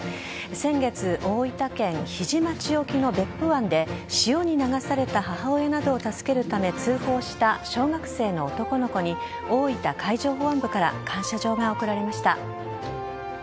先月、大分県日出町沖の別府湾で潮に流された母親などを助けるため通報した小学生の男の子に大分海上保安部から感謝状が贈られました。